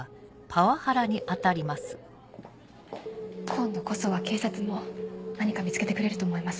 今度こそは警察も何か見つけてくれると思います。